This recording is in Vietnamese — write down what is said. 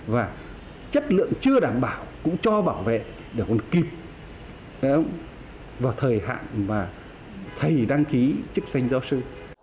và chất lượng chưa đảm bảo cũng cho bảo vệ để còn kịp vào thời hạn mà thầy đăng ký chức danh giáo sư